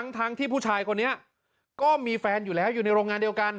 ทั้งที่ผู้ชายคนนี้ก็มีแฟนอยู่แล้วอยู่ในโรงงานเดียวกัน